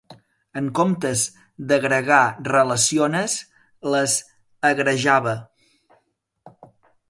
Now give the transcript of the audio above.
En comptes d'agregar relaciones les agrejava.